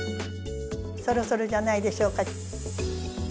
そろそろじゃないでしょうか。